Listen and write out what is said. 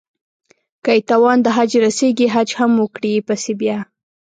که يې توان د حج رسېږي حج هم وکړي پسې بيا